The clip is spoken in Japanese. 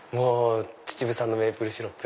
秩父産のメープルシロップ